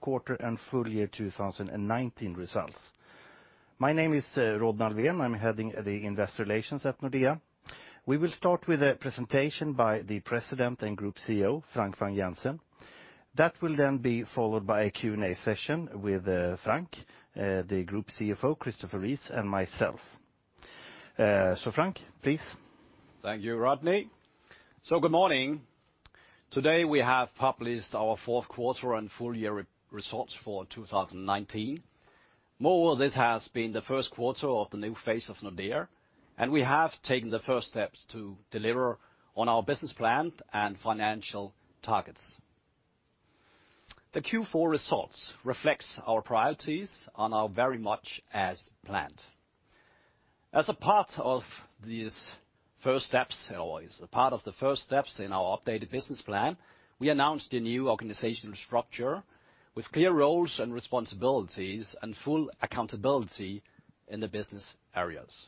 Quarter and full year 2019 results. My name is Rodney Alfvén. I'm heading the Investor Relations at Nordea. We will start with a presentation by the President and Group CEO, Frank Vang-Jensen. That will then be followed by a Q&A session with Frank, the Group CFO, Christopher Rees, and myself. Frank, please. Thank you, Rodney. Good morning. Today, we have published our fourth quarter and full year results for 2019. More of this has been the first quarter of the new phase of Nordea, and we have taken the first steps to deliver on our business plan and financial targets. The Q4 results reflects our priorities on our very much as planned. As a part of these first steps, or as a part of the first steps in our updated business plan, we announced a new organizational structure with clear roles and responsibilities and full accountability in the business areas.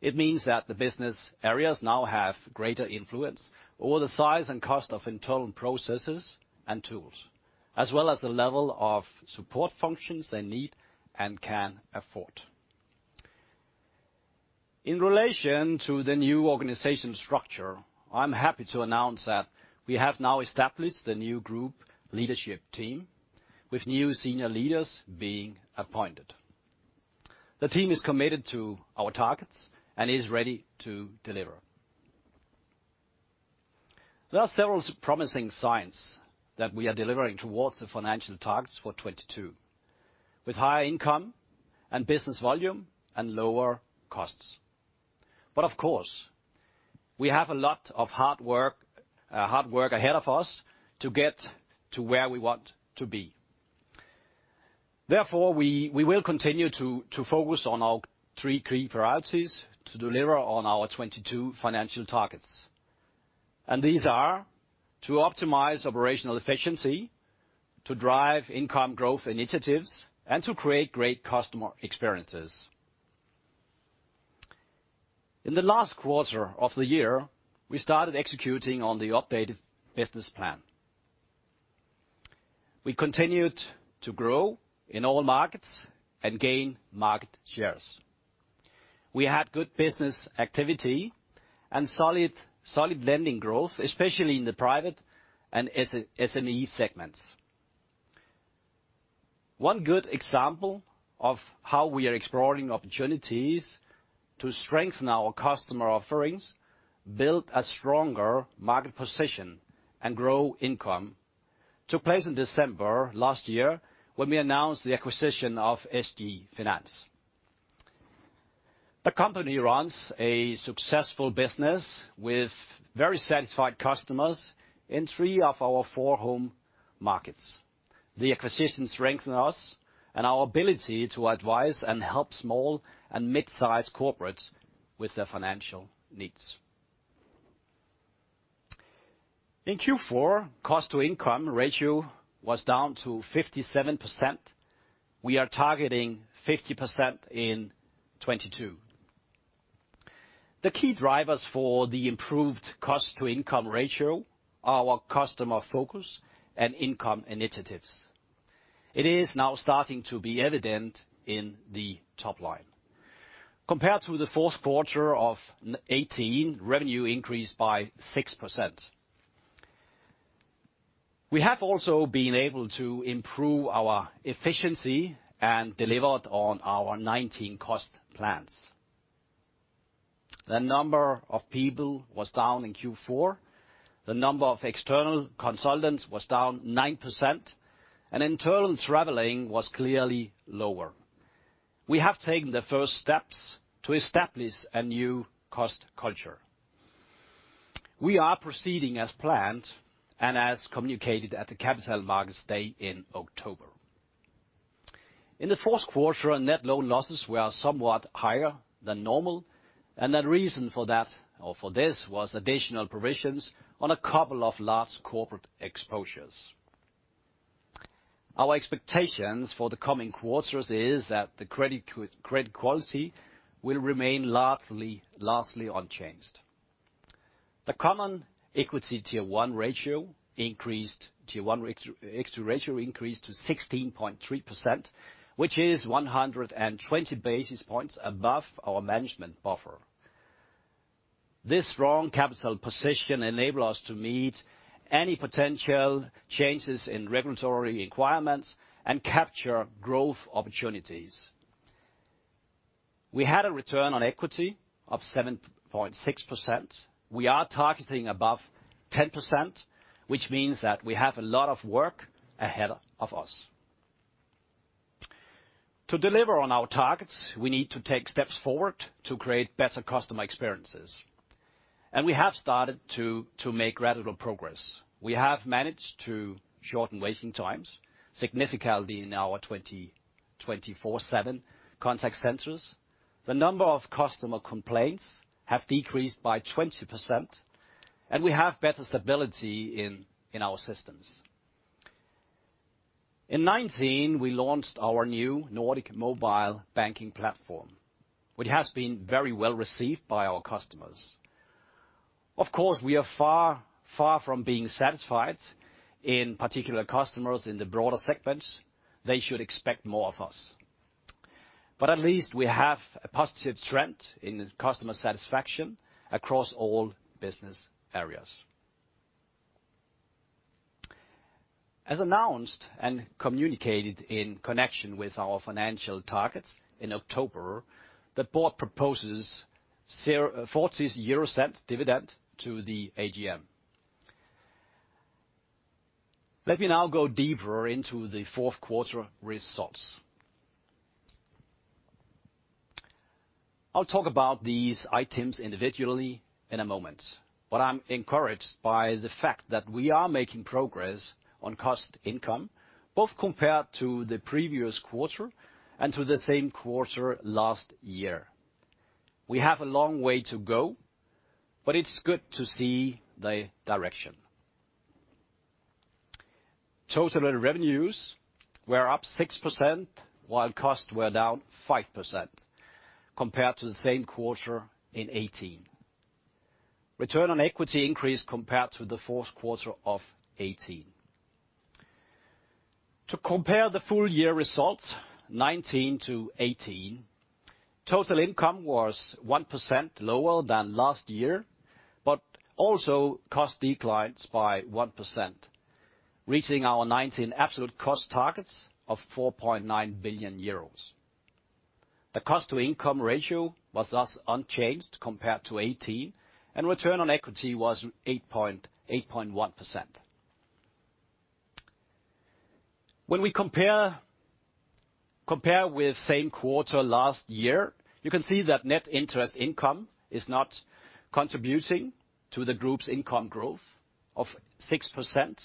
It means that the business areas now have greater influence over the size and cost of internal processes and tools, as well as the level of support functions they need and can afford. In relation to the new organization structure, I'm happy to announce that we have now established the new group leadership team with new senior leaders being appointed. The team is committed to our targets and is ready to deliver. There are several promising signs that we are delivering towards the financial targets for 2022, with higher income and business volume and lower costs. Of course, we have a lot of hard work ahead of us to get to where we want to be. Therefore, we will continue to focus on our three key priorities to deliver on our 2022 financial targets. These are to optimize operational efficiency, to drive income growth initiatives, and to create great customer experiences. In the last quarter of the year, we started executing on the updated business plan. We continued to grow in all markets and gain market shares. We had good business activity and solid lending growth, especially in the private and SME segments. One good example of how we are exploring opportunities to strengthen our customer offerings, build a stronger market position, and grow income took place in December last year when we announced the acquisition of SG Finans. The company runs a successful business with very satisfied customers in three of our four home markets. The acquisition strengthen us and our ability to advise and help small and midsize corporates with their financial needs. In Q4, cost to income ratio was down to 57%. We are targeting 50% in 2022. The key drivers for the improved cost to income ratio are our customer focus and income initiatives. It is now starting to be evident in the top line. Compared to the fourth quarter of 2018, revenue increased by 6%. We have also been able to improve our efficiency and delivered on our 2019 cost plans. The number of people was down in Q4. The number of external consultants was down 9%. Internal traveling was clearly lower. We have taken the first steps to establish a new cost culture. We are proceeding as planned and as communicated at the Capital Markets Day in October. In the fourth quarter, our net loan losses were somewhat higher than normal. The reason for that was additional provisions on a couple of large corporate exposures. Our expectations for the coming quarters is that the credit quality will remain largely unchanged. The Common Equity Tier 1 ratio increased to 16.3%, which is 120 basis points above our management buffer. This strong capital position enable us to meet any potential changes in regulatory requirements and capture growth opportunities. We had a return on equity of 7.6%. We are targeting above 10%, which means that we have a lot of work ahead of us. To deliver on our targets, we need to take steps forward to create better customer experiences, and we have started to make gradual progress. We have managed to shorten waiting times significantly in our 24/7 contact centers. The number of customer complaints have decreased by 20%, and we have better stability in our systems. In 2019, we launched our new Nordic mobile banking platform, which has been very well-received by our customers. Of course, we are far from being satisfied, in particular customers in the broader segments, they should expect more of us. At least we have a positive trend in customer satisfaction across all business areas. As announced and communicated in connection with our financial targets in October, the board proposes 0.40 dividend to the AGM. Let me now go deeper into the fourth quarter results. I'll talk about these items individually in a moment, I'm encouraged by the fact that we are making progress on cost income, both compared to the previous quarter and to the same quarter last year. We have a long way to go, it's good to see the direction. Total revenues were up 6%, while costs were down 5%, compared to the same quarter in 2018. Return on Equity increased compared to the fourth quarter of 2018. To compare the full year results, 2019-2018, total income was 1% lower than last year, also cost declines by 1%, reaching our 2019 absolute cost targets of 4.9 billion euros. The cost to income ratio was thus unchanged compared to 2018, and return on equity was 8.1%. When we compare with same quarter last year, you can see that net interest income is not contributing to the group's income growth of 6%,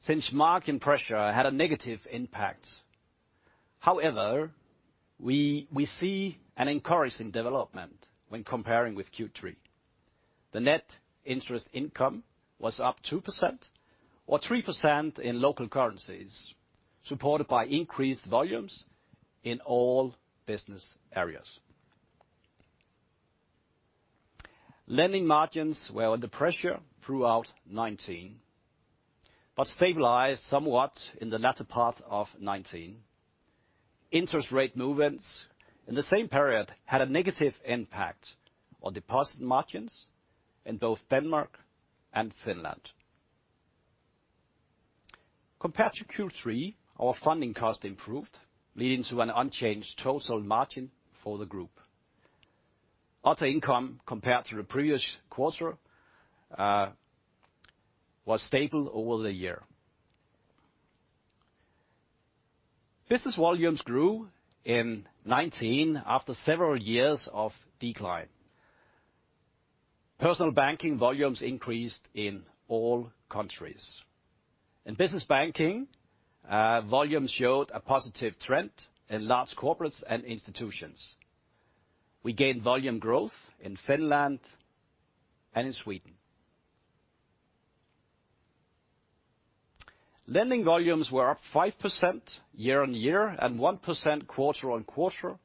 since margin pressure had a negative impact. We see an encouraging development when comparing with Q3. The net interest income was up 2% or 3% in local currencies, supported by increased volumes in all business areas. Lending margins were under pressure throughout 2019, but stabilized somewhat in the latter part of 2019. Interest rate movements in the same period had a negative impact on deposit margins in both Denmark and Finland. Compared to Q3, our funding cost improved, leading to an unchanged total margin for the group. Other income compared to the previous quarter was stable over the year. Business volumes grew in 2019 after several years of decline. Personal Banking volumes increased in all countries. In Business Banking, volumes showed a positive trend in Large Corporates & Institutions. We gained volume growth in Finland and in Sweden. Lending volumes were up 5% year-on-year, and 1% quarter-on-quarter.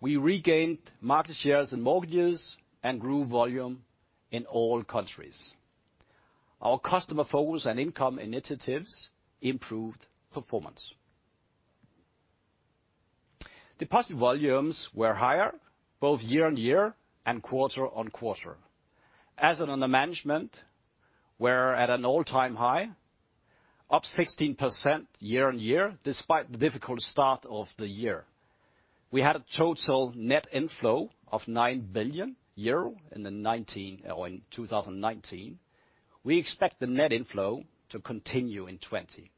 We regained market shares in mortgages and grew volume in all countries. Our customer focus and income initiatives improved performance. Deposit volumes were higher both year-on-year and quarter-on-quarter. Assets under management were at an all-time high, up 16% year-on-year, despite the difficult start of the year. We had a total net inflow of 9 billion euro in 2019. We expect the net inflow to continue in 2020.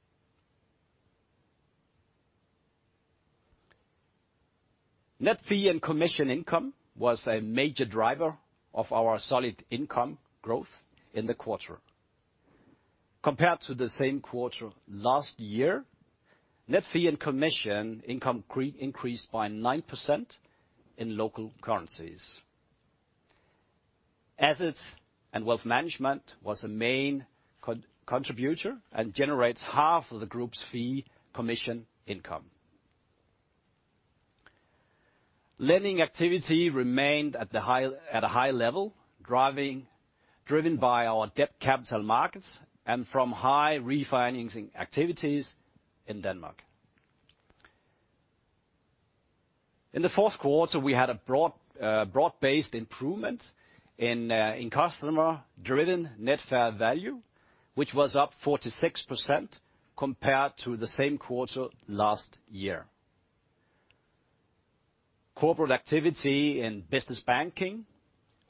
Net fee and commission income was a major driver of our solid income growth in the quarter. Compared to the same quarter last year, net fee and commission income increased by 9% in local currencies. Asset & Wealth Management was a main contributor and generates half of the group's fee commission income. Lending activity remained at a high level, driven by our debt capital markets and from high refinancing activities in Denmark. In the fourth quarter, we had a broad-based improvement in customer-driven net fair value, which was up 46% compared to the same quarter last year. Corporate activity in Business Banking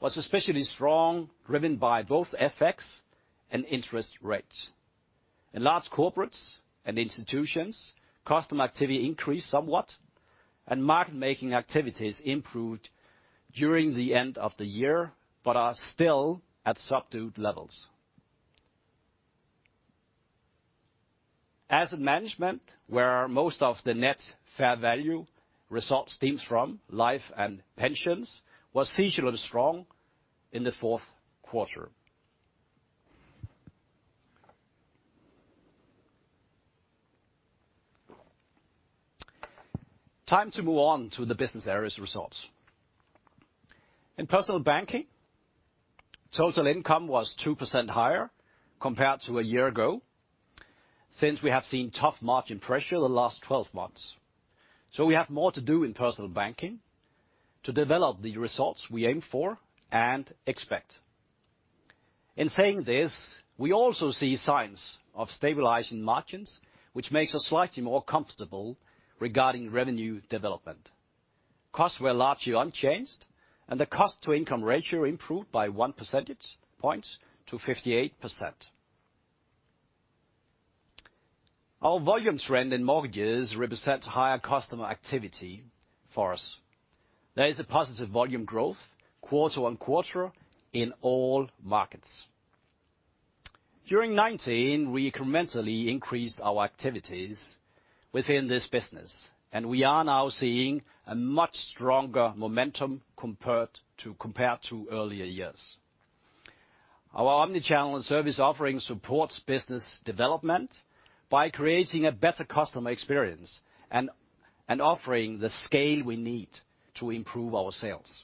was especially strong, driven by both FX and interest rates. In Large Corporates & Institutions, customer activity increased somewhat, and market-making activities improved during the end of the year, but are still at subdued levels. Asset management, where most of the net fair value results stems from, life and pensions, was seasonally strong in the fourth quarter. Time to move on to the business areas results. In Personal Banking, total income was 2% higher compared to a year ago, since we have seen tough margin pressure the last 12 months. We have more to do in Personal Banking to develop the results we aim for and expect. In saying this, we also see signs of stabilizing margins, which makes us slightly more comfortable regarding revenue development. Costs were largely unchanged, and the cost to income ratio improved by 1 percentage point to 58%. Our volume trend in mortgages represent higher customer activity for us. There is a positive volume growth quarter-on-quarter in all markets. During 2019, we incrementally increased our activities within this business, and we are now seeing a much stronger momentum compared to earlier years. Our omni-channel and service offering supports business development by creating a better customer experience and offering the scale we need to improve our sales.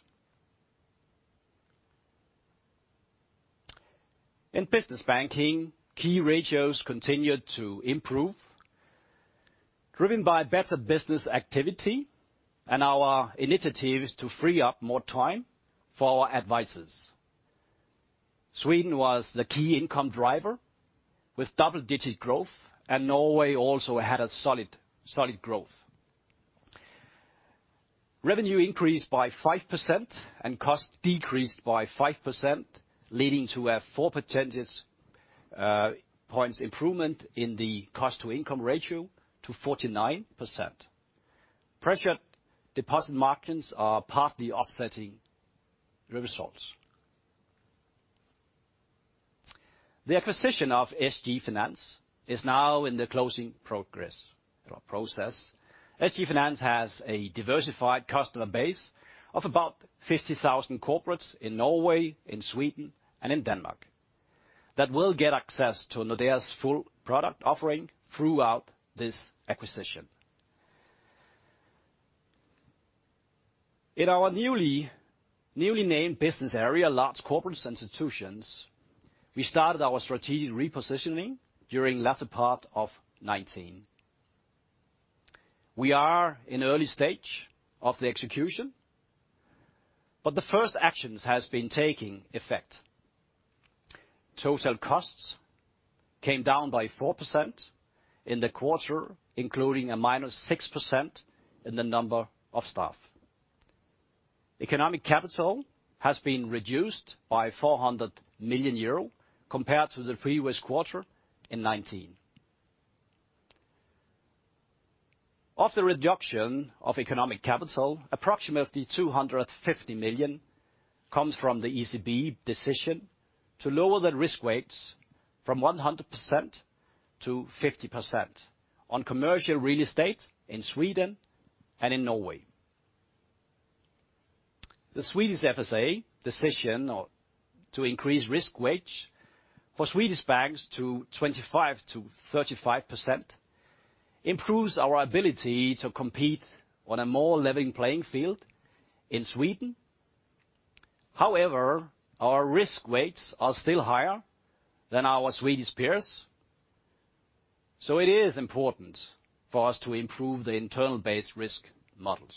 In Business Banking, key ratios continued to improve, driven by better business activity and our initiatives to free up more time for our advisors. Sweden was the key income driver with double-digit growth, and Norway also had a solid growth. Revenue increased by 5% and cost decreased by 5%, leading to a 4 percentage points improvement in the cost to income ratio to 49%. Pressure deposit margins are partly offsetting the results. The acquisition of SG Finans is now in the closing process. SG Finans has a diversified customer base of about 50,000 corporates in Norway, in Sweden, and in Denmark. That will get access to Nordea's full product offering throughout this acquisition. In our newly named business area, Large Corporates & Institutions, we started our strategic repositioning during latter part of 2019. We are in early stage of the execution, but the first actions has been taking effect. Total costs came down by 4% in the quarter, including a -6% in the number of staff. Economic capital has been reduced by 400 million euro compared to the previous quarter in 2019. Of the reduction of economic capital, approximately 250 million comes from the ECB decision to lower the risk weights from 100% to 50% on commercial real estate in Sweden and in Norway. The Swedish FSA decision to increase risk weights for Swedish banks to 25%-35% improves our ability to compete on a more level playing field in Sweden. However, our risk weights are still higher than our Swedish peers, so it is important for us to improve the internal-based risk models.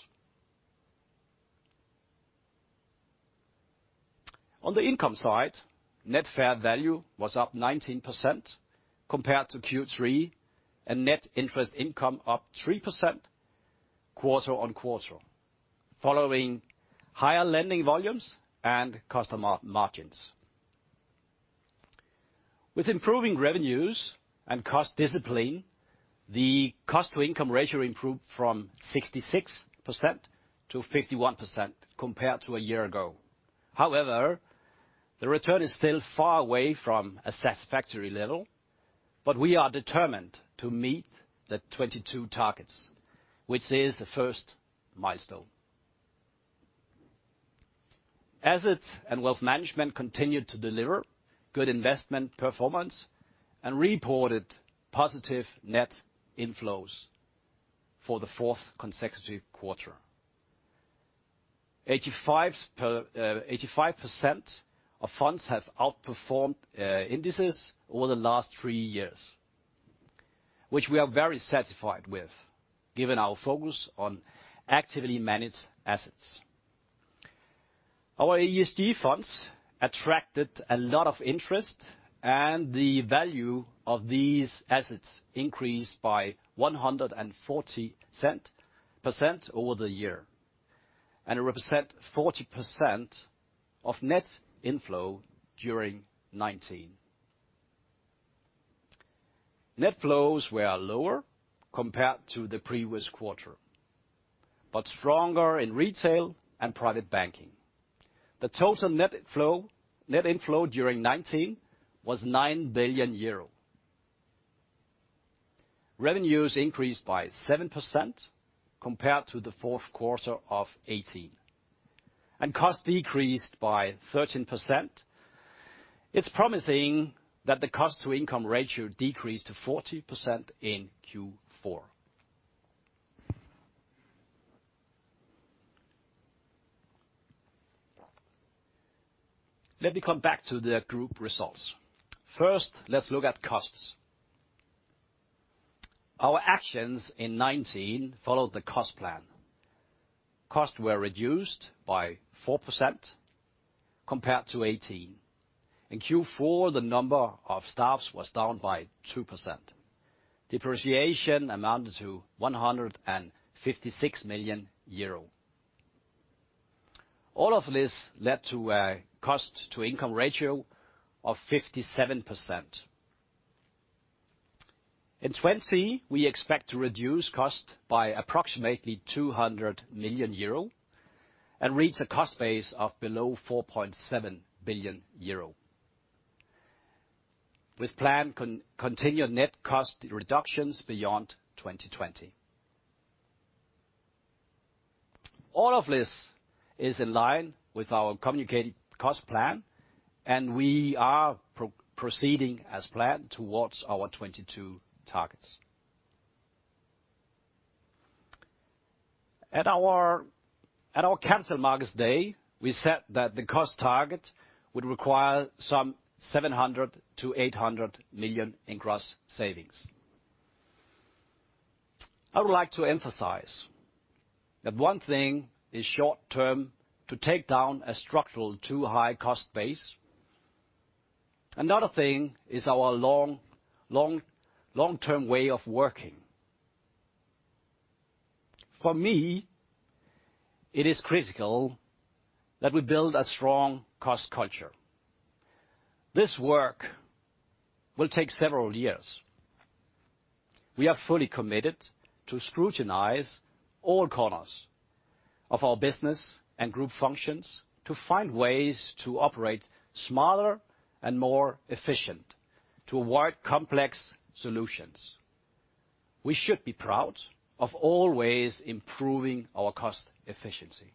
On the income side, net fair value was up 19% compared to Q3, and net interest income up 3% quarter-on-quarter following higher lending volumes and customer margins. With improving revenues and cost discipline, the cost to income ratio improved from 66% to 51% compared to a year ago. The return is still far away from a satisfactory level, but we are determined to meet the 2022 targets, which is the first milestone. Asset & Wealth Management continued to deliver good investment performance and reported positive net inflows for the fourth consecutive quarter. 85% of funds have outperformed indices over the last three years, which we are very satisfied with given our focus on actively managed assets. Our ESG funds attracted a lot of interest, and the value of these assets increased by 140% over the year and represent 40% of net inflow during 2019. Net flows were lower compared to the previous quarter, but stronger in retail and private banking. The total net inflow during 2019 was 9 billion euro. Revenues increased by 7% compared to the fourth quarter of 2018. Costs decreased by 13%. It's promising that the cost to income ratio decreased to 40% in Q4. Let me come back to the group results. First, let's look at costs. Our actions in 2019 followed the cost plan. Costs were reduced by 4% compared to 2018. In Q4, the number of staff was down by 2%. Depreciation amounted to EUR 156 million. This led to a cost to income ratio of 57%. In 2020, we expect to reduce cost by approximately 200 million euro and reach a cost base of below 4.7 billion euro, with planned continued net cost reductions beyond 2020. This is in line with our communicated cost plan, and we are proceeding as planned towards our 2022 targets. At our Capital Markets Day, we said that the cost target would require some 700 million-800 million in cost savings. I would like to emphasize that one thing is short-term, to take down a structural too high-cost base. Another thing is our long-term way of working. For me, it is critical that we build a strong cost culture. This work will take several years. We are fully committed to scrutinize all corners of our business and group functions to find ways to operate smarter and more efficient to avoid complex solutions. We should be proud of always improving our cost efficiency.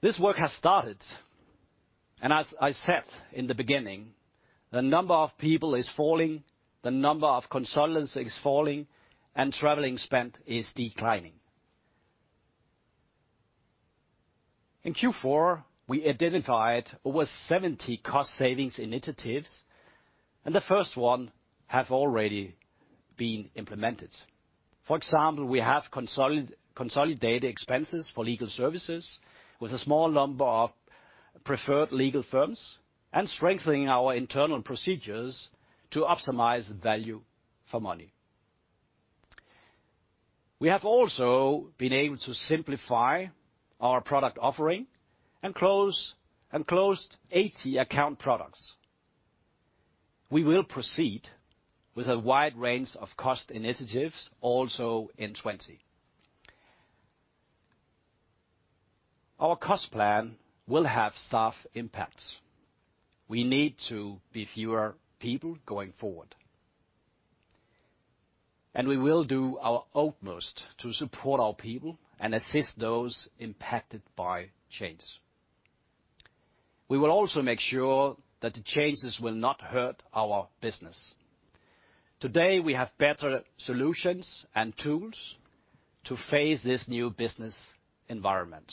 This work has started, and as I said in the beginning, the number of people is falling, the number of consultants is falling, and traveling spend is declining. In Q4, we identified over 70 cost savings initiatives, and the first one have already been implemented. For example, we have consolidated expenses for legal services with a small number of preferred legal firms and strengthening our internal procedures to optimize the value for money. We have also been able to simplify our product offering and closed 80 account products. We will proceed with a wide range of cost initiatives also in 2020. Our cost plan will have staff impacts. We need to be fewer people going forward. We will do our utmost to support our people and assist those impacted by change. We will also make sure that the changes will not hurt our business. Today, we have better solutions and tools to face this new business environment.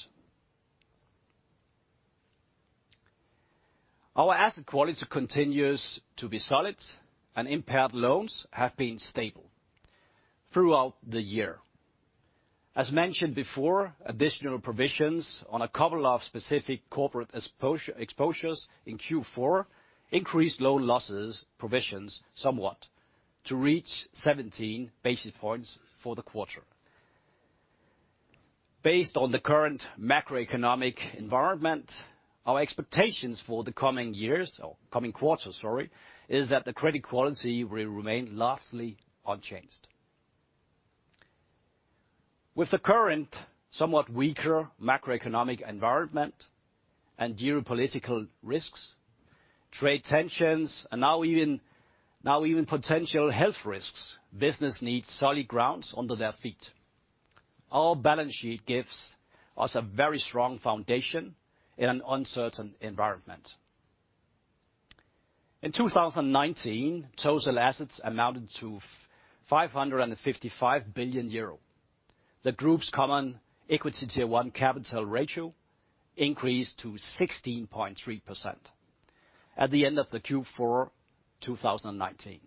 Our asset quality continues to be solid, and impaired loans have been stable throughout the year. As mentioned before, additional provisions on a couple of specific corporate exposures in Q4 increased loan losses provisions somewhat to reach 17 basis points for the quarter. Based on the current macroeconomic environment, our expectations for the coming years, or coming quarters, sorry, is that the credit quality will remain largely unchanged. With the current somewhat weaker macroeconomic environment and geopolitical risks, trade tensions, and now even potential health risks, business need solid ground under their feet. Our balance sheet gives us a very strong foundation in an uncertain environment. In 2019, total assets amounted to 555 billion euro. The group's Common Equity Tier 1 capital ratio increased to 16.3% at the end of the Q4 2019,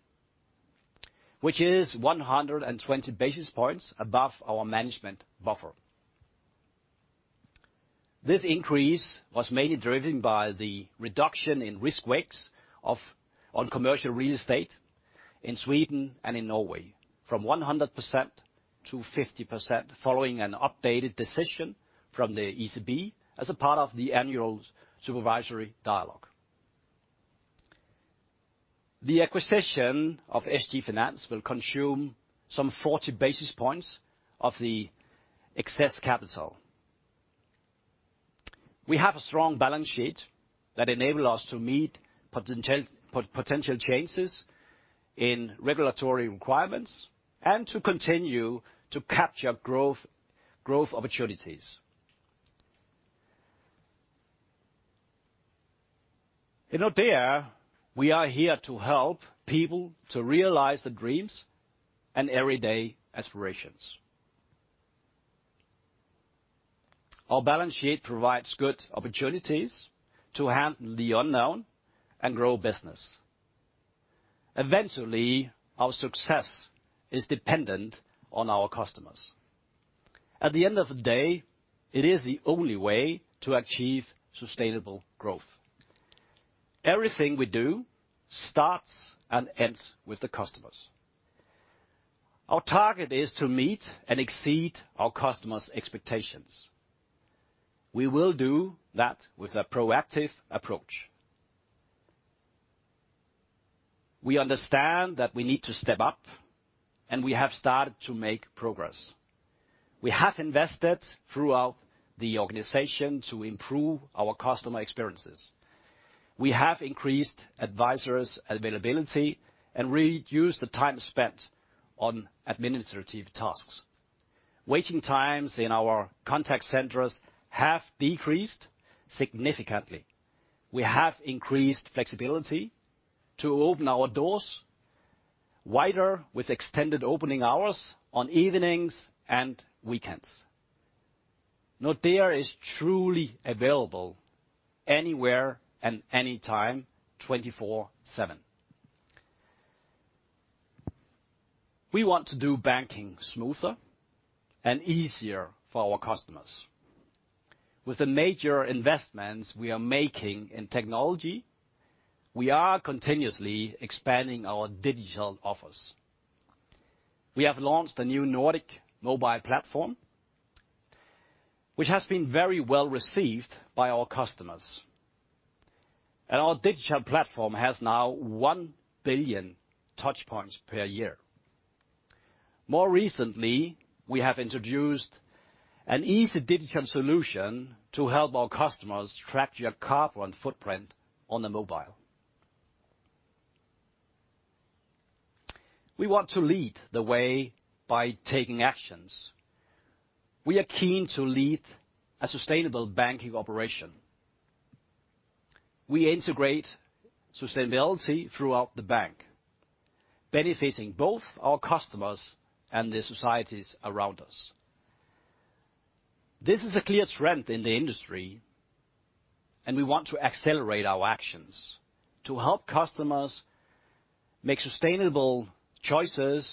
which is 120 basis points above our management buffer. This increase was mainly driven by the reduction in risk weights on commercial real estate in Sweden and in Norway from 100% to 50% following an updated decision from the ECB as a part of the annual supervisory dialogue. The acquisition of SG Finans will consume some 40 basis points of the excess capital. We have a strong balance sheet that enable us to meet potential changes in regulatory requirements and to continue to capture growth opportunities. In Nordea, we are here to help people to realize their dreams and everyday aspirations. Our balance sheet provides good opportunities to handle the unknown and grow business. Eventually, our success is dependent on our customers. At the end of the day, it is the only way to achieve sustainable growth. Everything we do starts and ends with the customers. Our target is to meet and exceed our customers' expectations. We will do that with a proactive approach. We understand that we need to step up, and we have started to make progress. We have invested throughout the organization to improve our customer experiences. We have increased advisors' availability and reduced the time spent on administrative tasks. Waiting times in our contact centers have decreased significantly. We have increased flexibility to open our doors wider with extended opening hours on evenings and weekends. Nordea is truly available anywhere and anytime, 24/7. We want to do banking smoother and easier for our customers. With the major investments we are making in technology, we are continuously expanding our digital offers. We have launched a new Nordic mobile platform, which has been very well received by our customers. Our digital platform has now 1 billion touch points per year. More recently, we have introduced an easy digital solution to help our customers track their carbon footprint on the mobile. We want to lead the way by taking actions. We are keen to lead a sustainable banking operation. We integrate sustainability throughout the bank, benefiting both our customers and the societies around us. This is a clear trend in the industry, and we want to accelerate our actions to help customers make sustainable choices.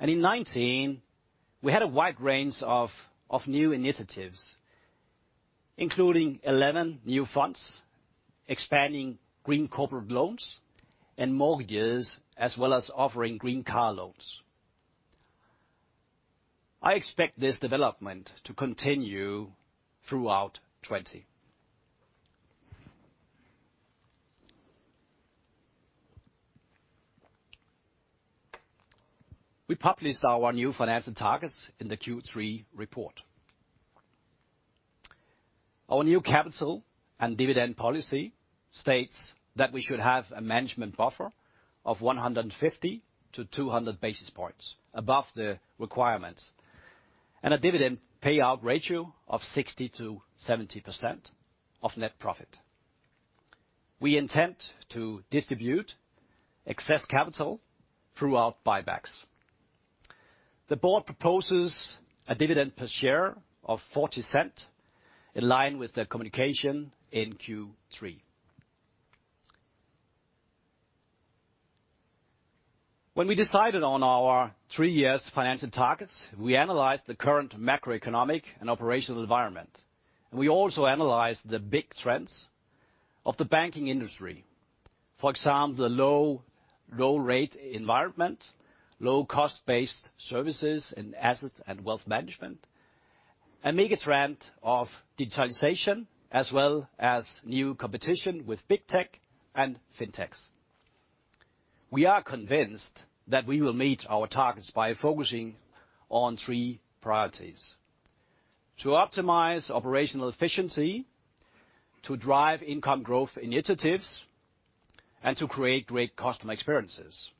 In 2019, we had a wide range of new initiatives, including 11 new funds, expanding green corporate loans and mortgages, as well as offering green car loans. I expect this development to continue throughout 2020. We published our new financial targets in the Q3 report. Our new capital and dividend policy states that we should have a management buffer of 150 basis points-200 basis points above the requirements and a dividend payout ratio of 60%-70% of net profit. We intend to distribute excess capital through our buybacks. The board proposes a dividend per share of 0.40 in line with the communication in Q3. When we decided on our three years financial targets, we analyzed the current macroeconomic and operational environment, and we also analyzed the big trends of the banking industry. For example, the low rate environment, low cost-based services in Asset & Wealth Management, a mega trend of digitalization, as well as new competition with big tech and fintechs. We are convinced that we will meet our targets by focusing on three priorities: to optimize operational efficiency, to drive income growth initiatives, and to create great customer experiences.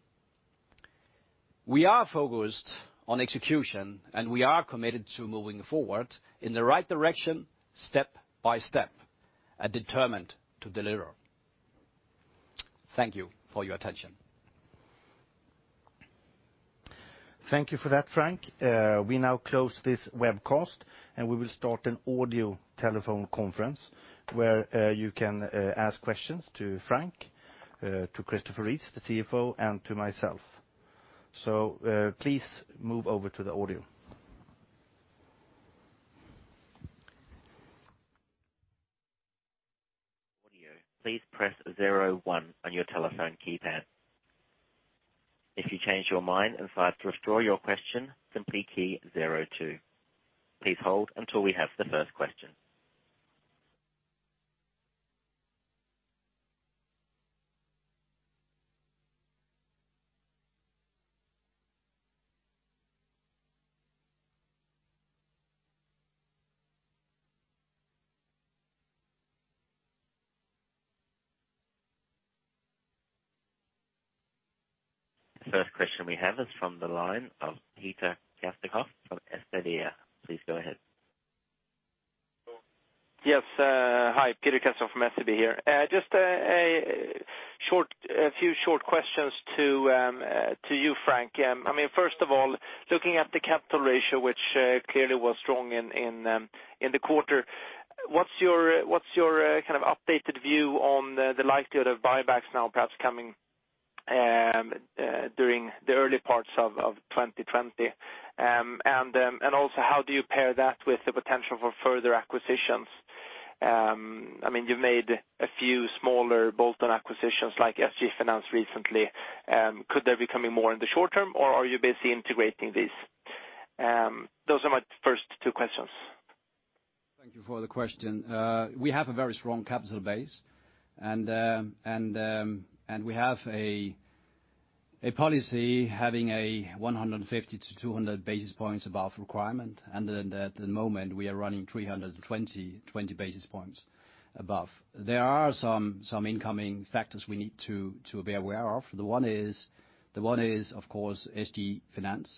We are focused on execution, and we are committed to moving forward in the right direction step by step and determined to deliver. Thank you for your attention. Thank you for that, Frank. We now close this webcast, and we will start an audio telephone conference where you can ask questions to Frank, to Christopher Rees, the CFO, and to myself. Please move over to the audio. Audio, please press zero one on your telephone keypad. If you change your mind and decide to withdraw your question, simply key zero two. Please hold until we have the first question. First question we have is from the line of Peter Kessiakoff from SEB. Please go ahead. Yes. Hi, Peter Kessiakoff from SEB here. Just a few short questions to you, Frank. First of all, looking at the capital ratio, which clearly was strong in the quarter, what's your updated view on the likelihood of buybacks now perhaps coming during the early parts of 2020? How do you pair that with the potential for further acquisitions? You've made a few smaller bolt-on acquisitions like SG Finans recently. Could there be coming more in the short term, or are you basically integrating these? Those are my first two questions. Thank you for the question. We have a very strong capital base, and we have a policy having a 150 basis points-200 basis points above requirement. At the moment, we are running 320 basis points above. There are some incoming factors we need to be aware of. The one is, of course, SG Finans.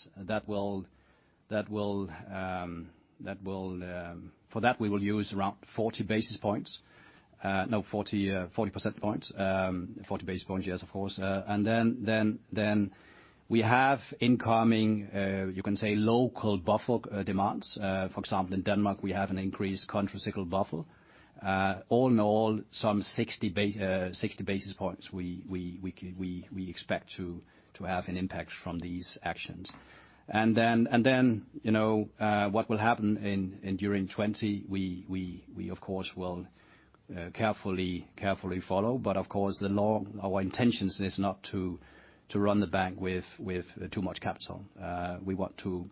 For that, we will use around 40 basis points. No, [40% points]. 40 basis points, yes, of course. Then we have incoming, you can say local buffer demands. For example, in Denmark, we have an increased countercyclical buffer. All in all, some 60 basis points we expect to have an impact from these actions. Then, what will happen during 2020, we, of course, will carefully follow. Of course, our intentions is not to run the bank with too much capital. We want to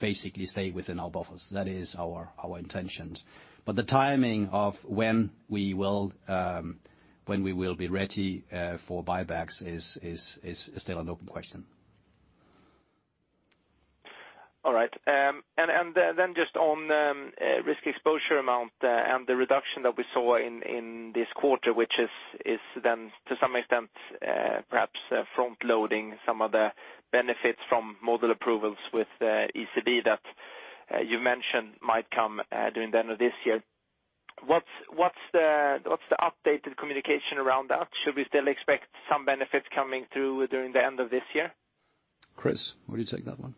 basically stay within our buffers. That is our intentions. The timing of when we will be ready for buybacks is still an open question. All right. Just on risk exposure amount and the reduction that we saw in this quarter, which is then, to some extent, perhaps front-loading some of the benefits from model approvals with ECB that you mentioned might come during the end of this year. What's the updated communication around that? Should we still expect some benefits coming through during the end of this year? Chris, will you take that one?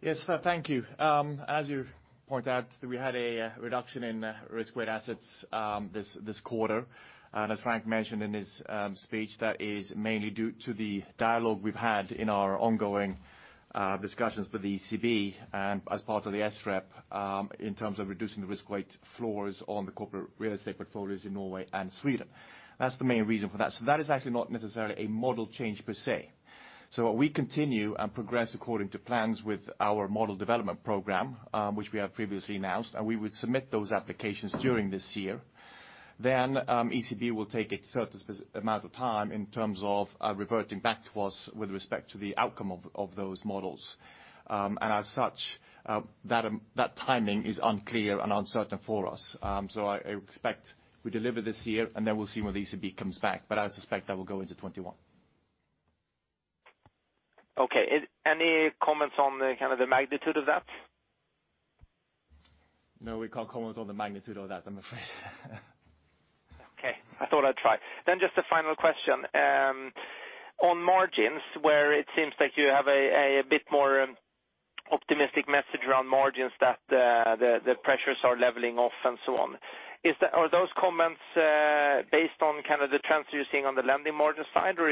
Yes. Thank you. As you point out, we had a reduction in risk-weighted assets this quarter. As Frank mentioned in his speech, that is mainly due to the dialogue we've had in our ongoing discussions with the ECB and as part of the SREP, in terms of reducing the risk-weighted floors on the corporate real estate portfolios in Norway and Sweden. That's the main reason for that. That is actually not necessarily a model change per se. We continue and progress according to plans with our model development program, which we have previously announced, and we would submit those applications during this year. ECB will take a certain amount of time in terms of reverting back to us with respect to the outcome of those models. As such, that timing is unclear and uncertain for us. I expect we deliver this year, and then we'll see when the ECB comes back, but I suspect that will go into 2021. Okay. Any comments on the magnitude of that? No, we can't comment on the magnitude of that, I'm afraid. Okay. I thought I'd try. Just a final question. On margins, where it seems like you have a bit more optimistic message around margins that the pressures are leveling off and so on. Are those comments based on the lending margin side, or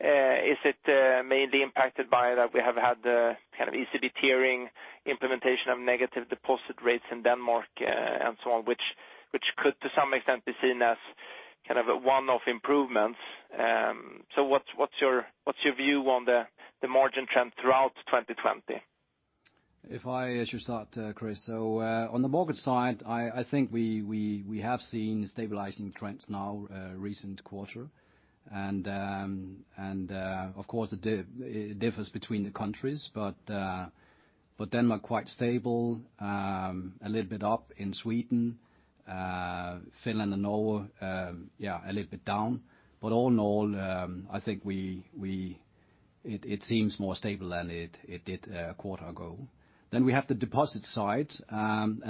is it mainly impacted by that we have had the ECB tiering implementation of negative deposit rates in Denmark and so on, which could, to some extent, be seen as one-off improvements. What's your view on the margin trend throughout 2020? If I should start, Chris. On the mortgage side, I think we have seen stabilizing trends now recent quarter. Of course, it differs between the countries. Denmark quite stable, a little bit up in Sweden, Finland and Norway a little bit down. All in all, I think it seems more stable than it did a quarter ago. We have the deposit side.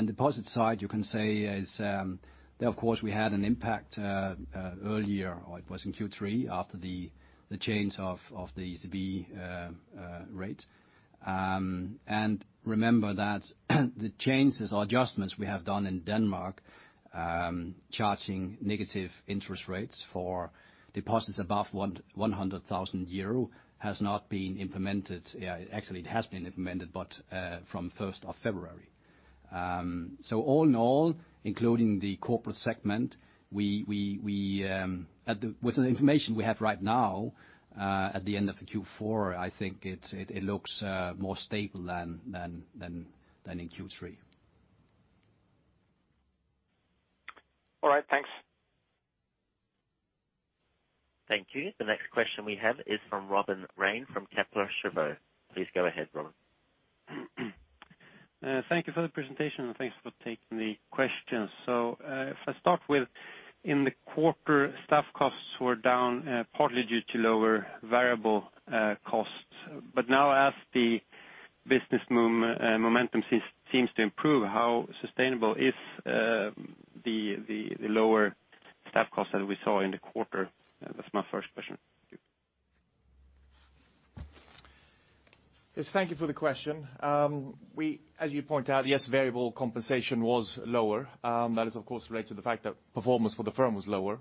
Deposit side, you can say is, there, of course, we had an impact earlier, or it was in Q3 after the change of the ECB rate. Remember that the changes or adjustments we have done in Denmark, charging negative interest rates for deposits above 100,000 euro, has not been implemented. Actually, it has been implemented, but from 1st of February. All in all, including the corporate segment, with the information we have right now, at the end of the Q4, I think it looks more stable than in Q3. Thank you. The next question we have is from Robin Rane from Kepler Cheuvreux. Please go ahead, Robin. Thank you for the presentation, thanks for taking the questions. If I start with, in the quarter, staff costs were down partly due to lower variable costs. Now, as the business momentum seems to improve, how sustainable is the lower staff costs that we saw in the quarter? That's my first question. Yes, thank you for the question. As you point out, yes, variable compensation was lower. That is, of course, related to the fact that performance for the firm was lower.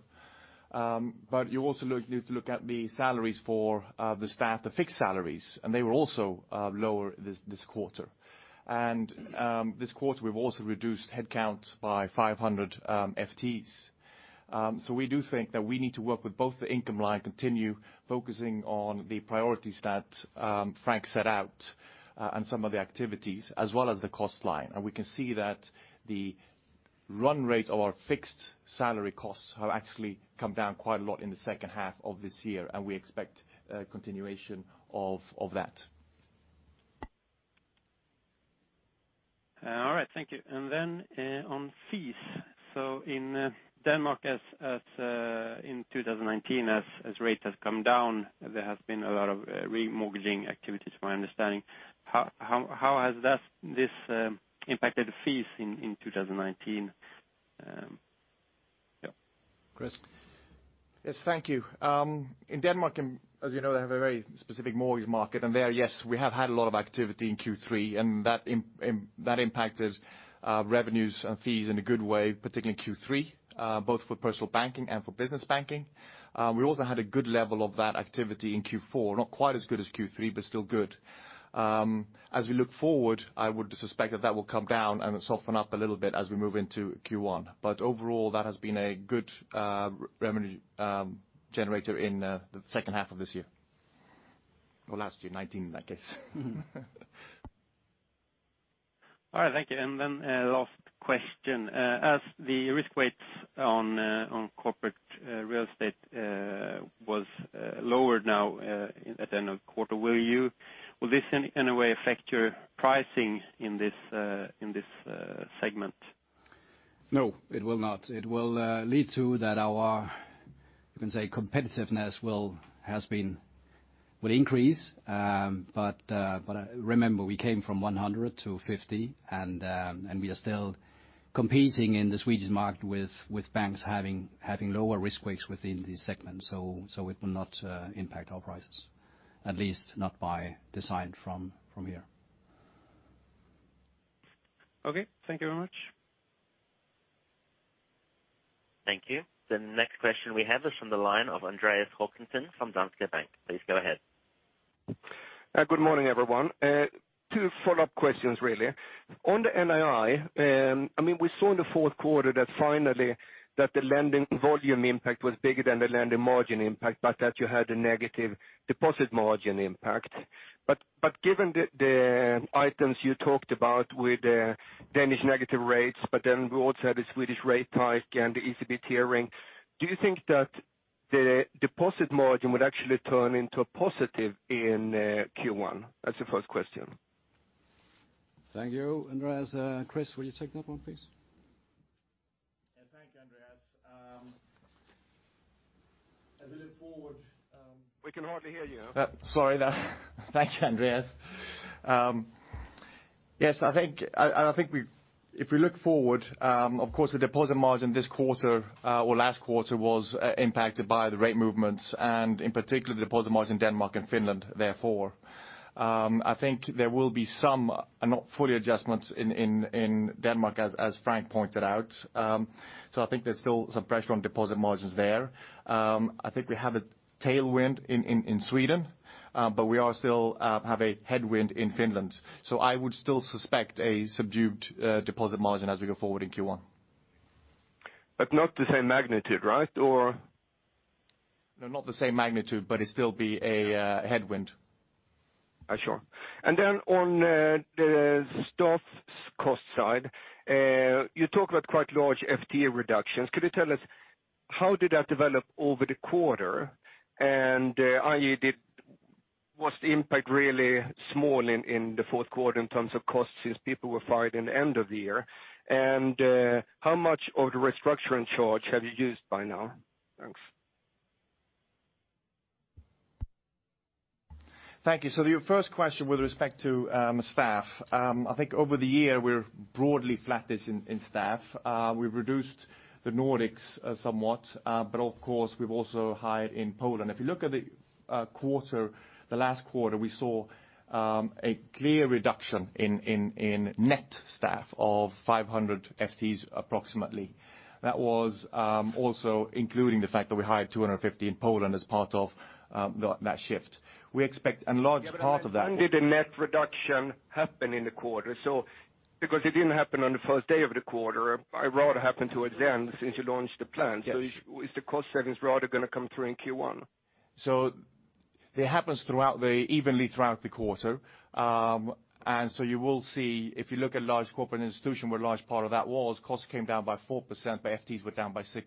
You also need to look at the salaries for the staff, the fixed salaries, and they were also lower this quarter. This quarter, we've also reduced headcounts by 500 FTEs. We do think that we need to work with both the income line, continue focusing on the priorities that Frank set out and some of the activities, as well as the cost line. We can see that the run rate of our fixed salary costs have actually come down quite a lot in the second half of this year, and we expect a continuation of that. All right. Thank you. On fees. In Denmark, in 2019, as rates have come down, there has been a lot of remortgaging activity to my understanding. How has this impacted fees in 2019? Yeah. Chris. Yes. Thank you. In Denmark, as you know, they have a very specific mortgage market. There, yes, we have had a lot of activity in Q3, and that impacted revenues and fees in a good way, particularly in Q3, both for Personal Banking and for Business Banking. We also had a good level of that activity in Q4. Not quite as good as Q3, but still good. As we look forward, I would suspect that that will come down and soften up a little bit as we move into Q1. Overall, that has been a good revenue generator in the second half of this year, or last year, 2019, I guess. All right, thank you. Last question. As the risk weights on corporate real estate was lowered now at the end of quarter, will this in any way affect your pricing in this segment? No, it will not. It will lead to that our, you can say competitiveness will increase. Remember, we came from 100% to 50%, and we are still competing in the Swedish market with banks having lower risk weights within these segments. It will not impact our prices, at least not by design from here. Okay, thank you very much. Thank you. The next question we have is from the line of Andreas Håkansson from Danske Bank. Please go ahead. Good morning, everyone. Two follow-up questions really. On the NII, we saw in the fourth quarter that finally that the lending volume impact was bigger than the lending margin impact, but that you had a negative deposit margin impact. Given the items you talked about with the Danish negative rates, but then we also had the Swedish rate hike and the ECB tiering, do you think that the deposit margin would actually turn into a positive in Q1? That's the first question. Thank you, Andreas. Chris, will you take that one please? Yeah. Thank you, Andreas. We can hardly hear you. Sorry there. Thank you, Andreas. I think if we look forward, of course, the deposit margin this quarter or last quarter was impacted by the rate movements and in particular the deposit margin Denmark and Finland, therefore. I think there will be some and not fully adjustments in Denmark as Frank pointed out. I think there's still some pressure on deposit margins there. I think we have a tailwind in Sweden. We are still have a headwind in Finland. I would still suspect a subdued deposit margin as we go forward in Q1. Not the same magnitude, right? No, not the same magnitude, but it'll still be a headwind. Sure. On the staff cost side, you talk about quite large FTE reductions. Could you tell us how did that develop over the quarter? Was the impact really small in the fourth quarter in terms of costs since people were fired in the end of the year? How much of the restructuring charge have you used by now? Thanks. Thank you. Your first question with respect to staff. I think over the year we're broadly flattish in staff. We've reduced the Nordics somewhat. Of course, we've also hired in Poland. If you look at the last quarter, we saw a clear reduction in net staff of 500 FTEs approximately. That was also including the fact that we hired 250 in Poland as part of that shift. We expect a large part of that. When did the net reduction happen in the quarter? It didn't happen on the first day of the quarter. It rather happened towards the end since you launched the plan. Yes. Is the cost savings rather going to come through in Q1? It happens evenly throughout the quarter. You will see, if you look at Large Corporates & Institutions, where large part of that was, costs came down by 4%, but FTEs were down by 6%.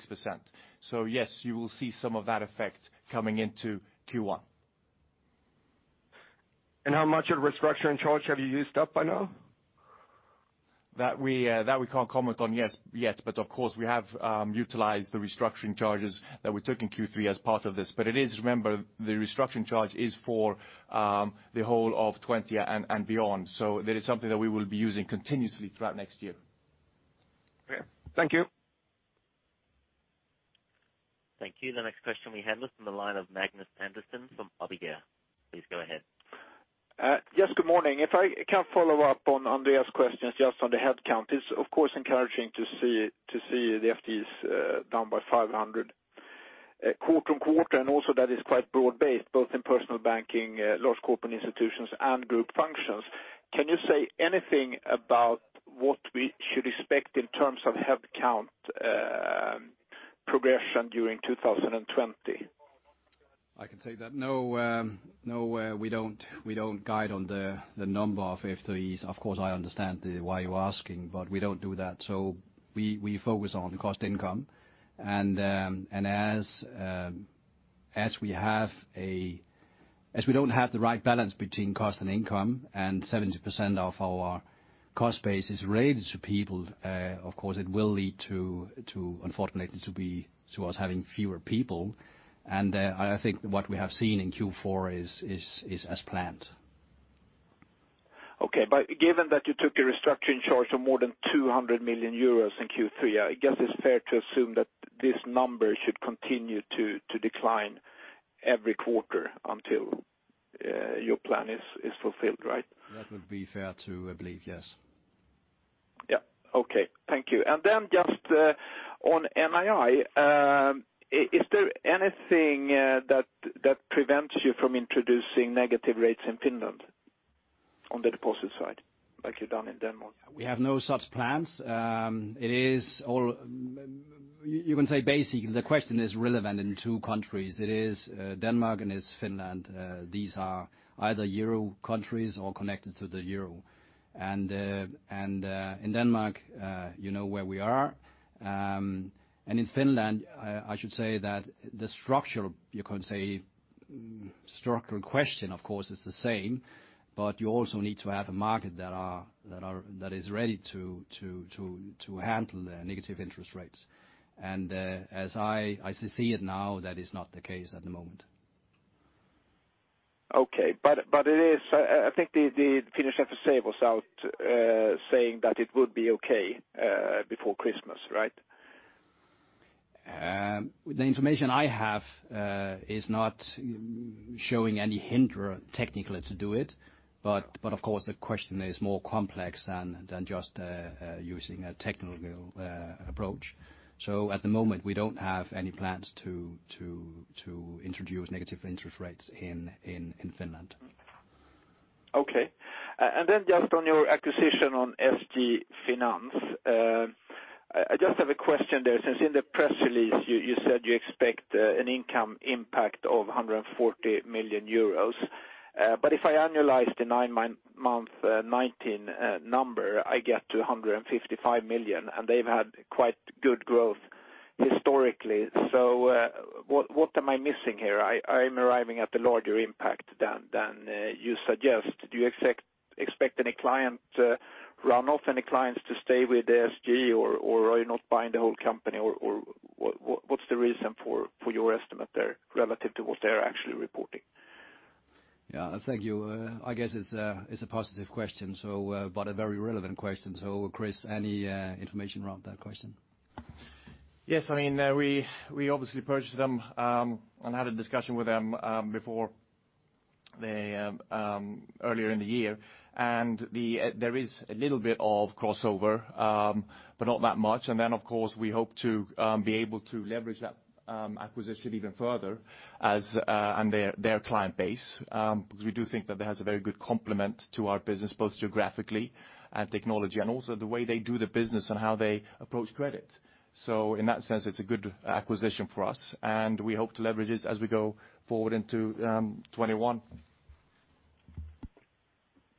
Yes, you will see some of that effect coming into Q1. How much of restructuring charge have you used up by now? That we can't comment on yet, of course, we have utilized the restructuring charges that we took in Q3 as part of this. Remember, the restructuring charge is for the whole of 2020 and beyond. That is something that we will be using continuously throughout next year. Okay. Thank you. Thank you. The next question we have is from the line of Magnus Andersson from ABG. Please go ahead. Good morning. If I can follow up on Andreas' questions just on the headcounts. Of course, encouraging to see the FTEs down by 500 quarter-on-quarter, and also that is quite broad based, both in Personal Banking, Large Corporates & Institutions, and group functions. Can you say anything about what we should expect in terms of headcount progression during 2020? I can take that. No, we don't guide on the number of FTEs. Of course, I understand why you're asking, we don't do that. We focus on cost income, and as we don't have the right balance between cost and income, and 70% of our cost base is related to people, of course, it will lead, unfortunately, to us having fewer people. I think what we have seen in Q4 is as planned. Okay. Given that you took a restructuring charge of more than 200 million euros in Q3, I guess it's fair to assume that this number should continue to decline every quarter until your plan is fulfilled, right? That would be fair to believe, yes. Yep. Okay. Thank you. Just on NII, is there anything that prevents you from introducing negative rates in Finland on the deposit side like you've done in Denmark? We have no such plans. You can say basic. The question is relevant in two countries. It is Denmark, it's Finland. These are either euro countries or connected to the euro. In Denmark, you know where we are. In Finland, I should say that the structure, you can say structural question, of course, is the same, but you also need to have a market that is ready to handle the negative interest rates. As I see it now, that is not the case at the moment. Okay. I think the Finnish FSA was out saying that it would be okay before Christmas, right? The information I have is not showing any hinder technically to do it. Of course, the question is more complex than just using a technological approach. At the moment, we don't have any plans to introduce negative interest rates in Finland. Okay. Just on your acquisition on SG Finans, I just have a question there, since in the press release, you said you expect an income impact of 140 million euros. If I annualize the nine-month 2019 number, I get to 155 million. They've had quite good growth historically. What am I missing here? I'm arriving at a larger impact than you suggest. Do you expect any client runoff, any clients to stay with SG Finans, are you not buying the whole company, what's the reason for your estimate there relative to what they're actually reporting? Yeah. Thank you. I guess it's a positive question, but a very relevant question. Chris, any information around that question? Yes. We obviously purchased them and had a discussion with them before earlier in the year. There is a little bit of crossover, but not that much. Of course, we hope to be able to leverage that acquisition even further and their client base, because we do think that that has a very good complement to our business, both geographically and technology, and also the way they do the business and how they approach credit. In that sense, it's a good acquisition for us, and we hope to leverage it as we go forward into 2021.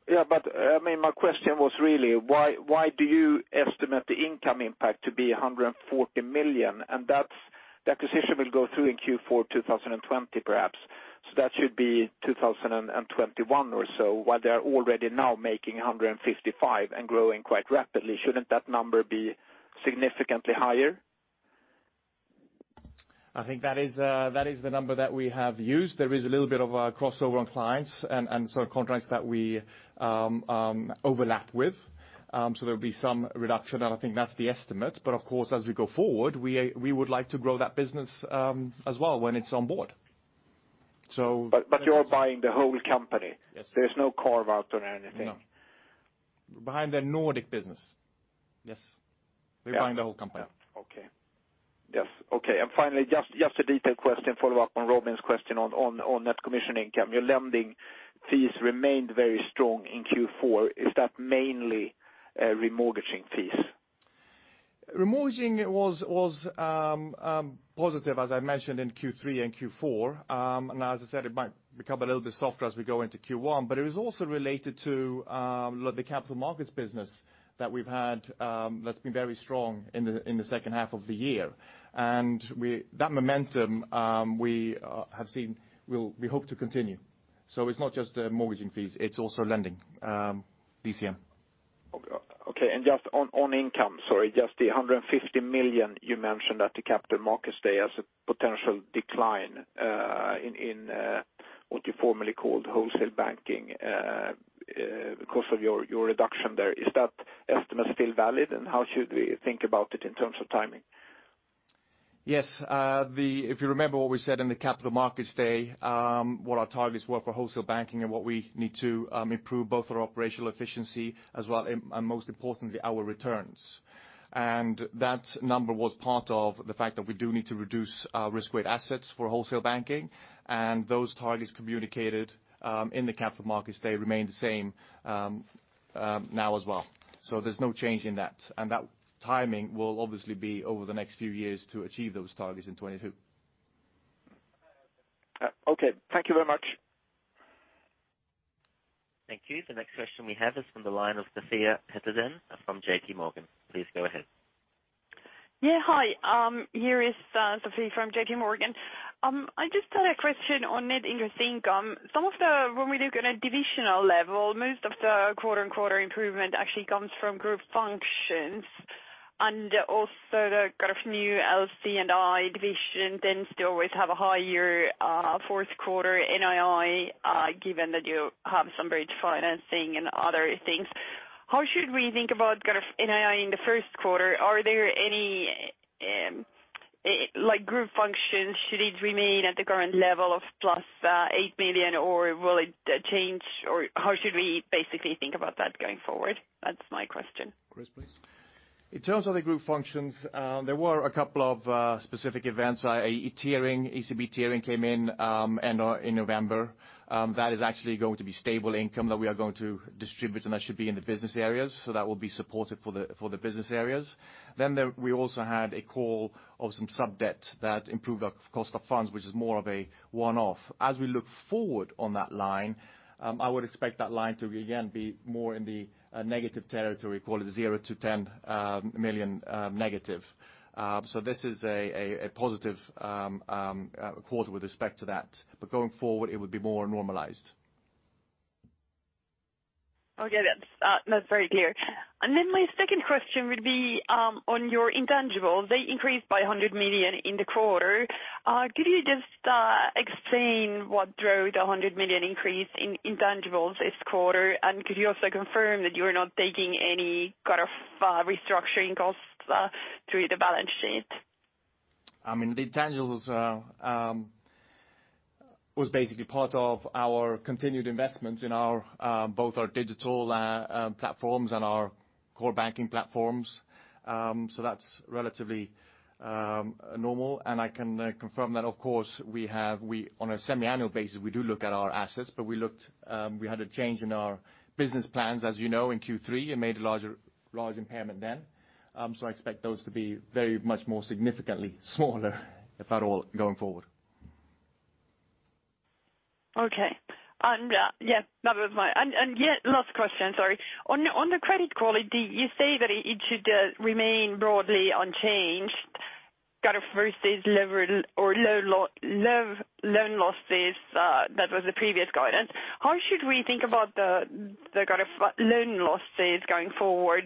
Yeah. My question was really, why do you estimate the income impact to be 140 million? The acquisition will go through in Q4 2020, perhaps. That should be 2021 or so, while they're already now making 155 and growing quite rapidly. Shouldn't that number be significantly higher? I think that is the number that we have used. There is a little bit of a crossover on clients and sort of contracts that we overlap with. There will be some reduction, and I think that's the estimate. Of course, as we go forward, we would like to grow that business as well when it's on board. You're buying the whole company? Yes. There's no carve-out or anything? No. We're buying their Nordic business. Yes. We're buying the whole company. Yeah. Okay. Yes. Okay. Finally, just a detailed question, follow-up on Robin's question on net commission income. Your lending fees remained very strong in Q4. Is that mainly remortgaging fees? Remortgaging was positive, as I mentioned in Q3 and Q4. As I said, it might become a little bit softer as we go into Q1. It was also related to the capital markets business that we've had, that's been very strong in the second half of the year. That momentum we hope to continue. It's not just the mortgaging fees, it's also lending. DCM. Okay. Just on income, sorry, just the 150 million you mentioned at the Capital Markets Day as a potential decline in what you formerly called Wholesale Banking, because of your reduction there. Is that estimate still valid? How should we think about it in terms of timing? Yes. If you remember what we said in the Capital Markets Day, what our targets were for Wholesale Banking and what we need to improve both our operational efficiency as well, and most importantly, our returns. That number was part of the fact that we do need to reduce risk-weighted assets for Wholesale Banking, and those targets communicated in the Capital Markets Day remain the same now as well. There's no change in that. That timing will obviously be over the next few years to achieve those targets in 2022. Okay. Thank you very much. Thank you. The next question we have is from the line of Sofie Peterzens from JPMorgan. Please go ahead. Yeah. Hi, here is Sofie from JPMorgan. I just had a question on net interest income. When we look on a divisional level, most of the quarter-on-quarter improvement actually comes from group functions and also the new LC&I division tends to always have a higher fourth quarter NII, given that you have some bridge financing and other things. How should we think about NII in the first quarter? Are there any group functions, should it remain at the current level of +8 million or will it change or how should we basically think about that going forward? That's my question. Chris, please. In terms of the group functions, there were a couple of specific events, ECB tiering came in November. That is actually going to be stable income that we are going to distribute, and that should be in the business areas. That will be supportive for the business areas. We also had a call of some sub-debt that improved our cost of funds, which is more of a one-off. As we look forward on that line, I would expect that line to again be more in the negative territory, call it a -0 million--10 million. This is a positive quarter with respect to that. Going forward it would be more normalized. Okay. That's very clear. Then my second question would be on your intangibles. They increased by 100 million in the quarter. Could you just explain what drove the 100 million increase in intangibles this quarter? Could you also confirm that you're not taking any restructuring costs through the balance sheet? The intangibles was basically part of our continued investments in both our digital platforms and our core banking platforms. That's relatively normal, and I can confirm that of course, on a semi-annual basis we do look at our assets, but we had a change in our business plans, as you know, in Q3 and made a large impairment then. I expect those to be very much more significantly smaller if at all, going forward. Okay. Last question, sorry. On the credit quality, you say that it should remain broadly unchanged versus low loan losses, that was the previous guidance. How should we think about the loan losses going forward?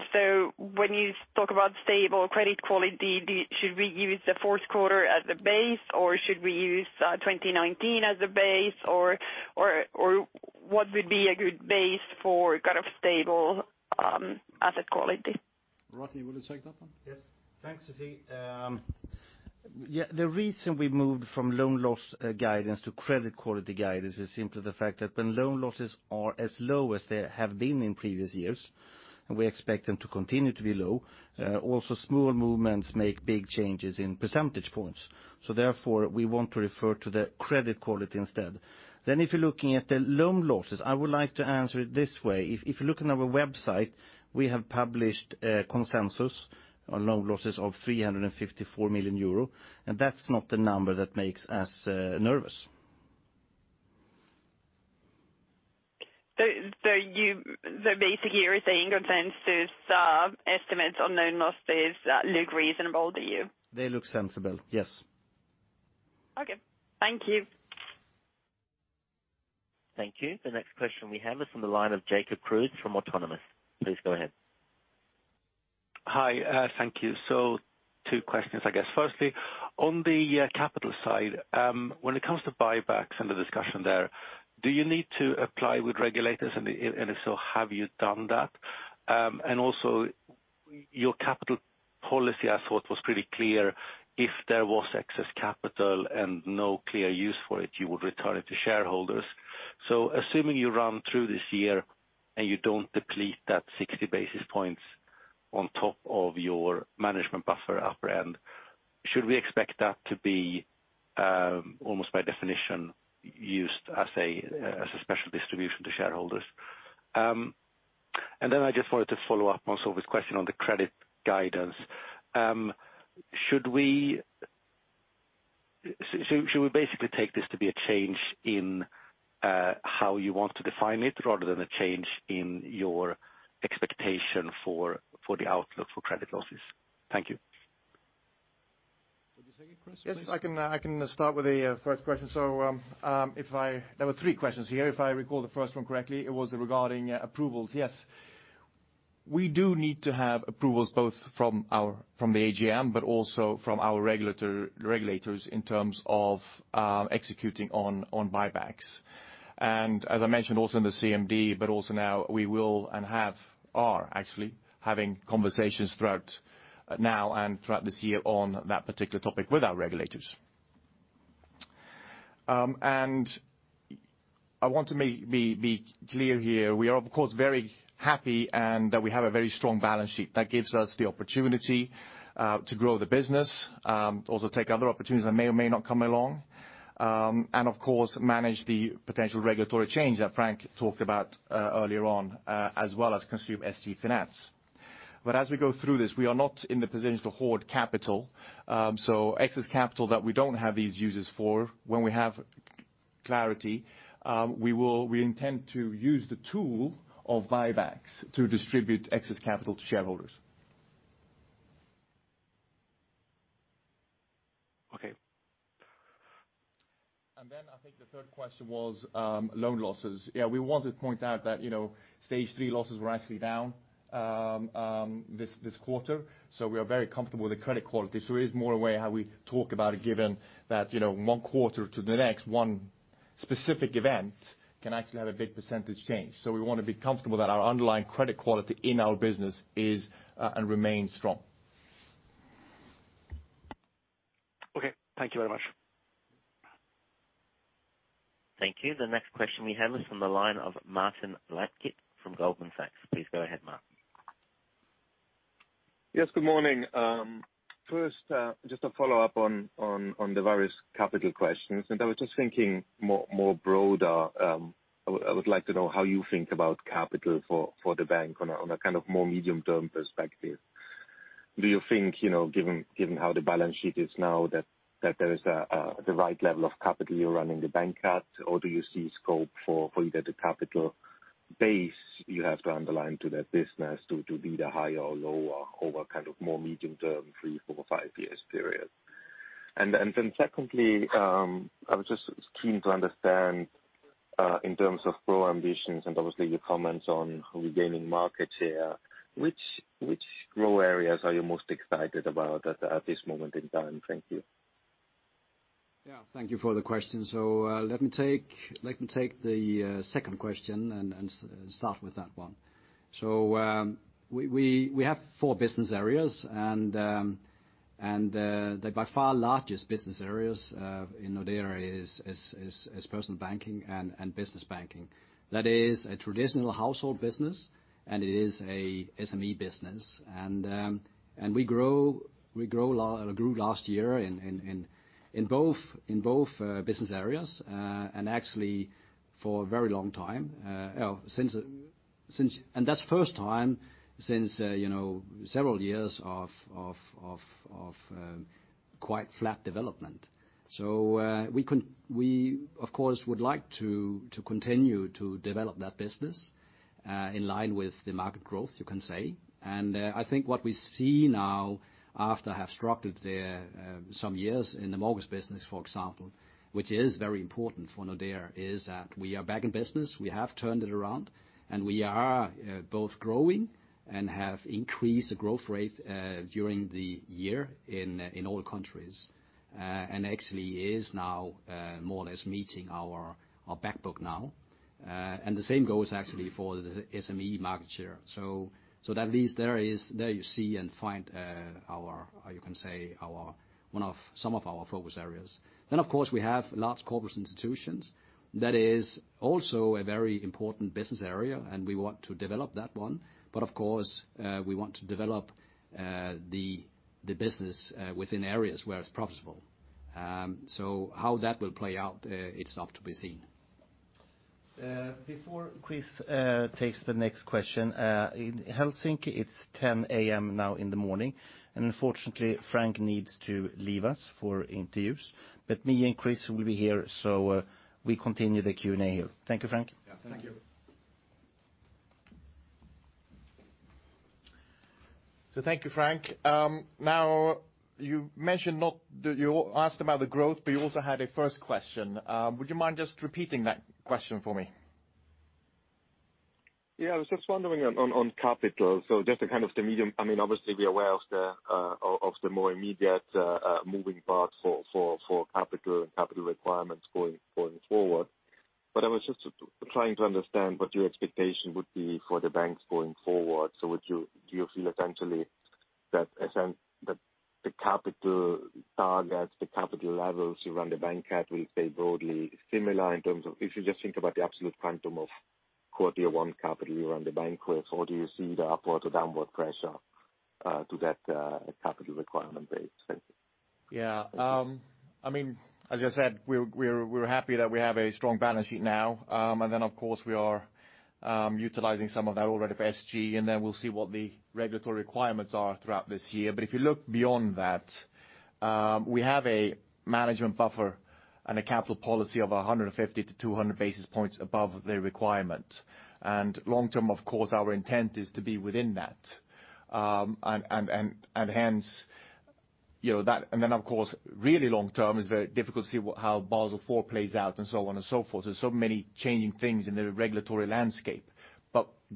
When you talk about stable credit quality, should we use the fourth quarter as a base or should we use 2019 as a base or what would be a good base for stable asset quality? Rodney, you want to take that one? Yes. Thanks, Sofie. The reason we moved from loan loss guidance to credit quality guidance is simply the fact that when loan losses are as low as they have been in previous years, and we expect them to continue to be low, also small movements make big changes in percentage points. Therefore, we want to refer to the credit quality instead. If you're looking at the loan losses, I would like to answer it this way. If you look on our website, we have published a consensus on loan losses of 354 million euro, and that's not a number that makes us nervous. Basically, you're saying consensus estimates on loan losses look reasonable to you? They look sensible, yes. Okay. Thank you. Thank you. The next question we have is from the line of Jacob Kruse from Autonomous. Please go ahead. Hi. Thank you. Two questions, I guess. Firstly, on the capital side, when it comes to buybacks and the discussion there, do you need to apply with regulators? If so, have you done that? Also, your capital policy, I thought was pretty clear if there was excess capital and no clear use for it, you would return it to shareholders. Assuming you run through this year and you don't deplete that 60 basis points on top of your management buffer upper end, should we expect that to be almost by definition used as a special distribution to shareholders? Then I just wanted to follow up on Sofie's question on the credit guidance. Should we basically take this to be a change in how you want to define it rather than a change in your expectation for the outlook for credit losses? Thank you. Would you say it, Chris? Yes, I can start with the first question. There were three questions here. If I recall the first one correctly, it was regarding approvals. Yes. We do need to have approvals both from the AGM, but also from our regulators in terms of executing on buybacks. As I mentioned also in the CMD, but also now, we will and have, are actually, having conversations throughout now and throughout this year on that particular topic with our regulators. I want to be clear here. We are, of course, very happy and that we have a very strong balance sheet that gives us the opportunity to grow the business, also take other opportunities that may or may not come along, and of course, manage the potential regulatory change that Frank talked about earlier on, as well as consume SG Finans. As we go through this, we are not in the position to hoard capital. Excess capital that we don't have these uses for when we have clarity, we intend to use the tool of buybacks to distribute excess capital to shareholders. Okay. I think the third question was loan losses. Yeah, we want to point out that Stage 3 losses were actually down this quarter. We are very comfortable with the credit quality. It is more a way how we talk about it given that one quarter to the next one specific event can actually have a big percentage change. We want to be comfortable that our underlying credit quality in our business is, and remains strong. Okay. Thank you very much. Thank you. The next question we have is from the line of Martin Leitgeb from Goldman Sachs. Please go ahead, Martin. Yes, good morning. First, just a follow-up on the various capital questions. I was just thinking more broader. I would like to know how you think about capital for the bank on a kind of more medium-term perspective. Do you think given how the balance sheet is now that there is the right level of capital you're running the bank at? Do you see scope for either the capital base you have to underlie that business to be the higher or lower over kind of more medium term, three, four, five years period? Secondly, I was just keen to understand, in terms of growth ambitions and obviously your comments on regaining market share, which growth areas are you most excited about at this moment in time? Thank you. Yeah, thank you for the question. Let me take the second question and start with that one. We have four business areas, and the by far largest business areas in Nordea is Personal Banking and Business Banking. That is a traditional household business, and it is a SME business. We grew last year in both business areas, and actually for a very long time. That's the first time since several years of quite flat development. We, of course, would like to continue to develop that business, in line with the market growth, you can say. I think what we see now after have struggled there some years in the mortgage business, for example, which is very important for Nordea, is that we are back in business. We have turned it around, and we are both growing and have increased the growth rate during the year in all countries. Actually is now more or less meeting our back book now. The same goes actually for the SME market share. That leads there you see and find our, you can say, some of our focus areas. Of course we have Large Corporates & Institutions. That is also a very important business area, and we want to develop that one. Of course, we want to develop the business within areas where it's profitable. How that will play out, it's up to be seen. Before Chris takes the next question, in Helsinki, it's 10:00 A.M. now in the morning, and unfortunately, Frank needs to leave us for interviews, but me and Chris will be here. We continue the Q&A here. Thank you, Frank. Yeah, thank you. Thank you, Frank. You asked about the growth, but you also had a first question. Would you mind just repeating that question for me? Yeah, I was just wondering on capital. Just to kind of the medium, obviously we are aware of the more immediate moving parts for capital and capital requirements going forward. I was just trying to understand what your expectation would be for the banks going forward. Do you feel essentially that the capital targets, the capital levels you run the bank at will stay broadly similar in terms of if you just think about the absolute quantum of Core Tier 1 capital around the bank, or do you see the upward or downward pressure to that capital requirement base? Thank you. As I said, we're happy that we have a strong balance sheet now. Of course, we are utilizing some of that already for SG, and then we'll see what the regulatory requirements are throughout this year. If you look beyond that, we have a management buffer and a capital policy of 150 basis points-200 basis points above the requirement. Long-term, of course, our intent is to be within that. Of course, really long-term, it's very difficult to see how Basel IV plays out and so on and so forth. There's so many changing things in the regulatory landscape.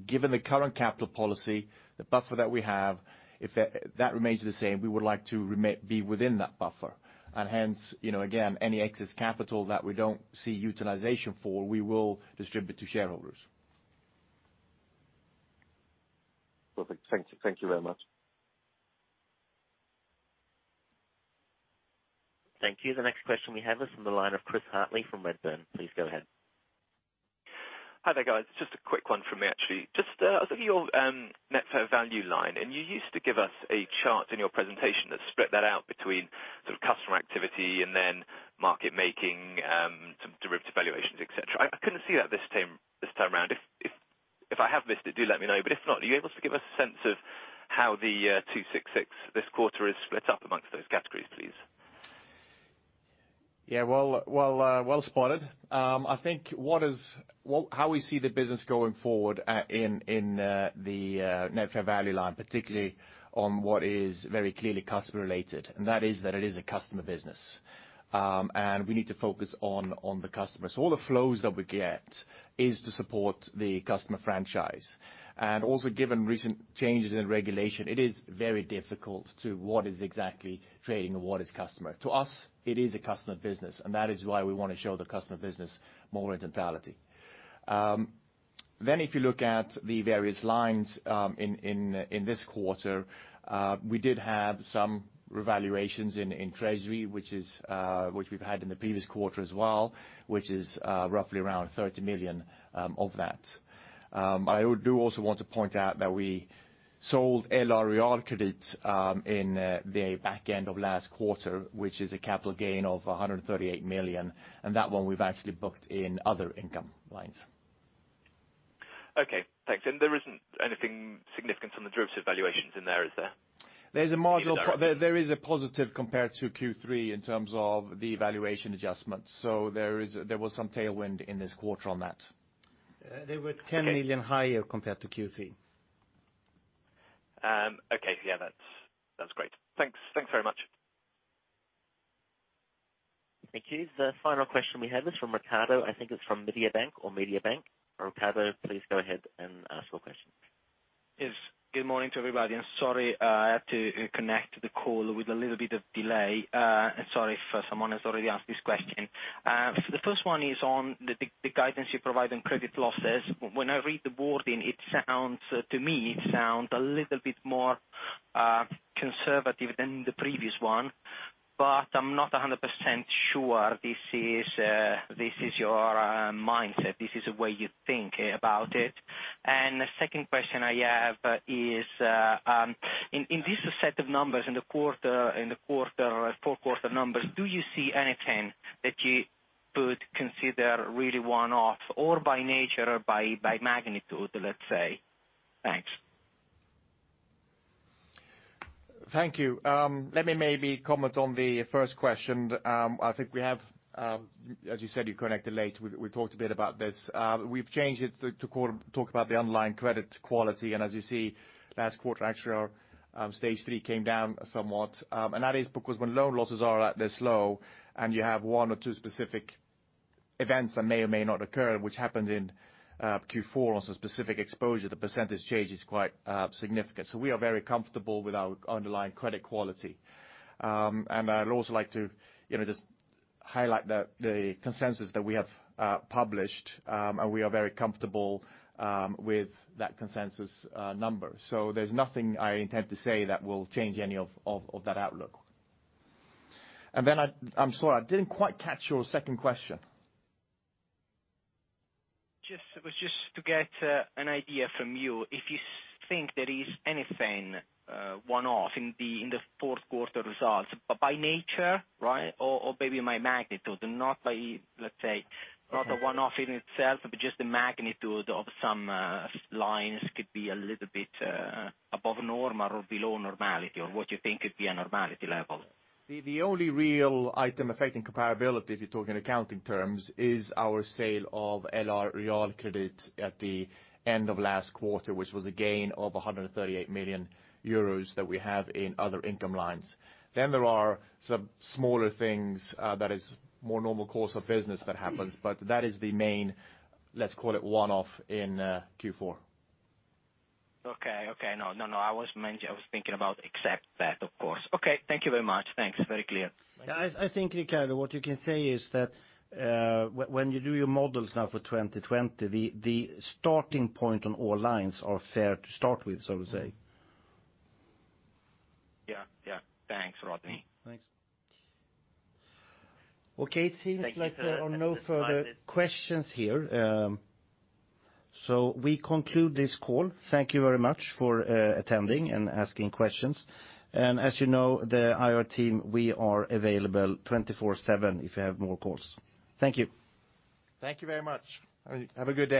Given the current capital policy, the buffer that we have, if that remains the same, we would like to be within that buffer. Again, any excess capital that we don't see utilization for, we will distribute to shareholders. Perfect. Thank you very much. Thank you. The next question we have is from the line of Chris Hartley from Redburn. Please go ahead. Hi there, guys. Just a quick one from me actually. Just, I was looking at your net fair value line. You used to give us a chart in your presentation that split that out between customer activity and then market making, some derivative valuations, et cetera. I couldn't see that this time around. If I have missed it, do let me know, but if not, are you able to give us a sense of how the 266 million this quarter is split up amongst those categories, please? Yeah. Well spotted. I think how we see the business going forward in the net fair value line, particularly on what is very clearly customer related, and that is that it is a customer business. We need to focus on the customer. All the flows that we get is to support the customer franchise. Also, given recent changes in regulation, it is very difficult to what is exactly trading and what is customer. To us, it is a customer business, and that is why we want to show the customer business more in totality. If you look at the various lines in this quarter, we did have some revaluations in treasury, which we've had in the previous quarter as well, which is roughly around 30 million of that. I do also want to point out that we sold LR Realkredit in the back end of last quarter, which is a capital gain of 138 million, and that one we've actually booked in other income lines. Okay, thanks. There isn't anything significant on the derivative valuations in there, is there? There is a positive compared to Q3 in terms of the evaluation adjustments. There was some tailwind in this quarter on that. They were 10 million higher compared to Q3. Okay. Yeah, that's great. Thanks very much. Thank you. The final question we have is from Riccardo. I think it's from Mediobanca. Riccardo, please go ahead and ask your question. Yes. Good morning to everybody, sorry, I had to connect to the call with a little bit of delay. Sorry if someone has already asked this question. The first one is on the guidance you provide on credit losses. When I read the wording, to me, it sounds a little bit more conservative than the previous one, but I'm not 100% sure this is your mindset, this is the way you think about it. The second question I have is, in this set of numbers, in the fourth quarter numbers, do you see anything that you could consider really one-off or by nature or by magnitude, let's say? Thanks. Thank you. Let me maybe comment on the first question. I think as you said, you connected late, we talked a bit about this. We've changed it to talk about the underlying credit quality, as you see, last quarter, actually our stage 3 came down somewhat. That is because when loan losses are at this low and you have one or two specific events that may or may not occur, which happened in Q4 on a specific exposure, the percentage change is quite significant. We are very comfortable with our underlying credit quality. I'd also like to just highlight the consensus that we have published, and we are very comfortable with that consensus number. There's nothing I intend to say that will change any of that outlook. I'm sorry, I didn't quite catch your second question. It was just to get an idea from you, if you think there is anything one-off in the fourth quarter results, by nature or maybe by magnitude, not by, let's say, not a one-off in itself, but just the magnitude of some lines could be a little bit above normal or below normality or what you think could be a normality level? The only real item affecting comparability, if you're talking accounting terms, is our sale of LR Realkredit at the end of last quarter, which was a gain of 138 million euros that we have in other income lines. There are some smaller things that is more normal course of business that happens, but that is the main, let's call it one-off in Q4. Okay. No, I was thinking about except that, of course. Okay, thank you very much. Thanks. Very clear. I think, Riccardo, what you can say is that when you do your models now for 2020, the starting point on all lines are fair to start with, so to say. Yeah. Thanks, Rodney. Thanks. Okay. It seems like there are no further questions here. We conclude this call. Thank you very much for attending and asking questions. As you know, the IR team, we are available 24/7 if you have more calls. Thank you. Thank you very much. Have a good day.